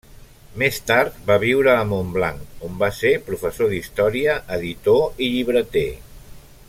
Més tard va viure a Montblanc, on va ser professor d'història, editor i llibreter.